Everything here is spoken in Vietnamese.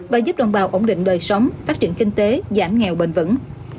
và giúp đồng bào ổn định đời sống phát triển kinh tế giảm nghèo bền vững